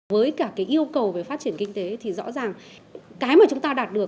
với cả cái yêu cầu về phát triển kinh tế thì rõ ràng cái mà chúng ta đạt được